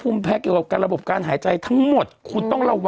แต่กลับไปหัวเราะบอกไม่น่าจะโดนหมากกัดน่าจะโดนอย่างอื่นมาอะไรอย่างเงี้ยอืม